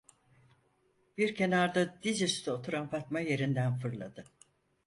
Bir kenarda diz üstü oturan Fatma yerinden fırladı: